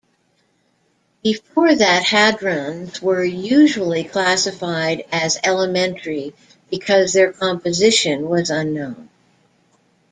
Before that hadrons were usually classified as "elementary" because their composition was unknown.